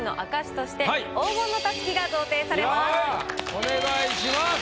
お願いします。